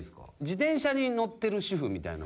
自転車に乗ってる主婦みたいな。